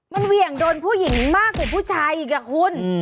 มันเหวี่ยงโดนผู้หญิงมากกว่าผู้ชายอีกอ่ะคุณ